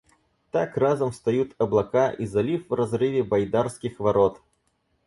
Так разом встают облака и залив в разрыве Байдарских ворот.